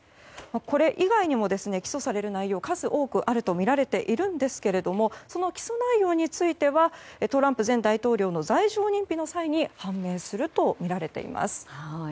これ以外にも起訴される内容は数多くあるとみられているんですがその起訴内容についてはトランプ前大統領の罪状認否の際に判明するとみられています。